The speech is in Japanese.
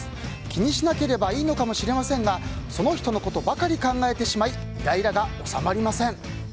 気にしなければいいのかもしれませんがその人のことばかり考えてしまいイライラが収まりません。